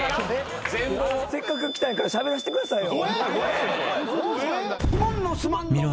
せっかく来たんやからしゃべらせてくださいよ。